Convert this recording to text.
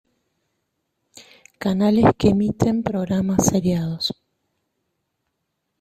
Canales que emiten programas seriados.